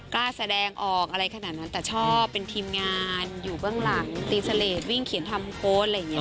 กล้าแสดงออกอะไรขนาดนั้นแต่ชอบเป็นทีมงานอยู่เบื้องหลังตีเสลดวิ่งเขียนทำโพสต์อะไรอย่างนี้